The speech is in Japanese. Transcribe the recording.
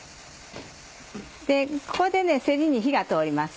ここでせりに火が通ります。